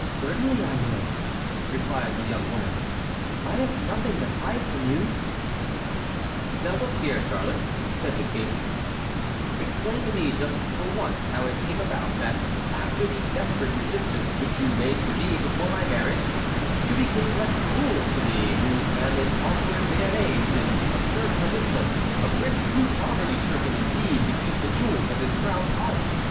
"Certainly I will," replied the young woman, "I have nothing to hide from you." "Now look here, Charlotte," said the king, "explain to me just for once how it came about that after the desperate resistance which you made to me before my marriage, you became less cruel to me who am an awkward Béarnais, an absurd provincial, a prince too poverty stricken, indeed, to keep the jewels of his crown polished."